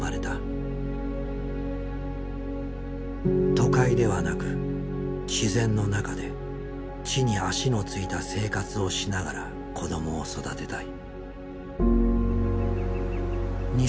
都会ではなく自然の中で地に足の着いた生活をしながら子どもを育てたい。